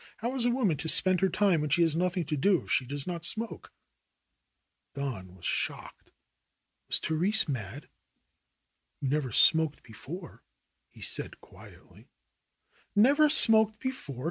How is a woman to spend her time when she has nothing to do if she does not smoke ?" Don was shocked. Was Therese mad? "You never smoked before," he said quietly. "Never smoked before